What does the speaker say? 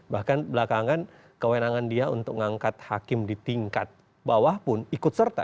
bahkan belakangan kewenangan dia untuk mengangkat hakim di tingkat bawah pun ikut serta